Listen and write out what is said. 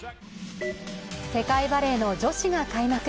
世界バレーの女子が開幕。